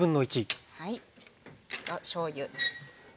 しょうゆ。